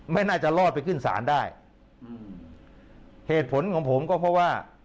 ไม่น่าจะรอดไปขึ้นศาลได้อืมเหตุผลของผมก็เพราะว่า